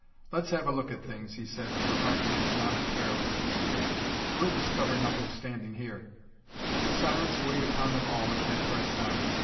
"Let's have a look at things," he said with a heartiness not entirely sincere. "We'll discover nothing standing here." But the silence weighed upon them all as they pressed on.